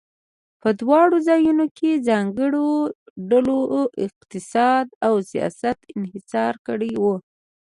په دواړو ځایونو کې ځانګړو ډلو اقتصاد او سیاست انحصار کړی و.